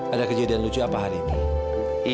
ada kejadian lucu apa hari ini